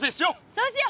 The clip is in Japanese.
そうしよう！